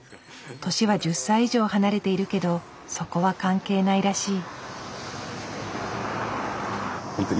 年は１０歳以上離れているけどそこは関係ないらしい。